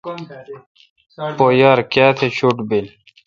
پو یار کیاتہ شوٹ بیل۔